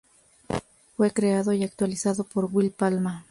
Fue creado, y actualizado por Wil Palma.